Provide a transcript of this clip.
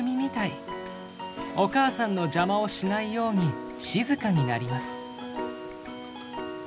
お母さんの邪魔をしないように静かになります。